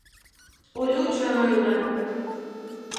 Олю чын ойлен!